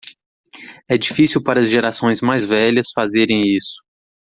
É difícil para as gerações mais velhas fazerem isso